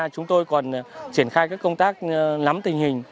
chúng tôi còn triển khai các công tác nắm tình hình